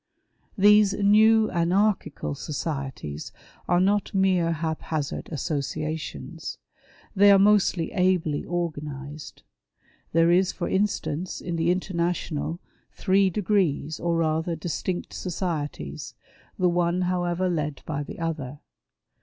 These new anarchical societies are not mere hap hazard associations. They are most ably organized. There is, for instance, in the International, three degrees, or rather distinct societies, the one, however, led by the other.